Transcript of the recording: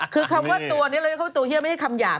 คำว่าตัวนี้เลยก็คือตัวเฮียไม่ใช่คำหย่าม